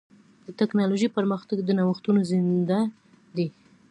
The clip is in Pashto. د ټکنالوجۍ پرمختګ د نوښتونو زېږنده دی.